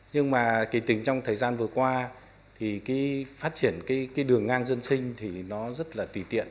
nhưng mà kỳ tình trong thời gian vừa qua thì cái phát triển cái đường ngang dân sinh thì nó rất là tùy tiện